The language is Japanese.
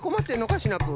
シナプー。